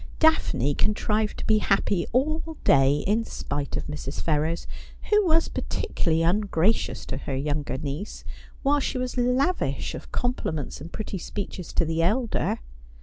Daphne contrived to be happy all day, in spite of Mrs. Ferrers, who was particularly ungracious to her younger niece, while she was lavish of compliments and pretty speeches to the elder.